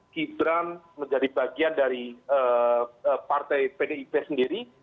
gibran menjadi bagian dari partai pdip sendiri